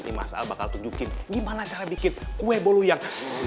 ini mas al bakal tunjukin gimana cara bikin kue bolu yang